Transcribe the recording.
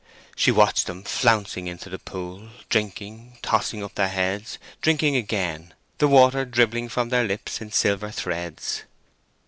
She watched them flouncing into the pool, drinking, tossing up their heads, drinking again, the water dribbling from their lips in silver threads.